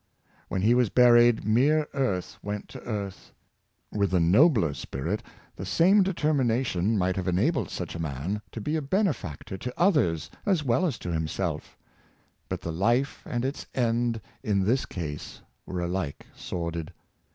When he was buried mere earth went to earth. With a nobler spirit, the same deter mination might have enabled such a man to be a bene factor to others as well as to himself But the life and its end in this case were alike sordid.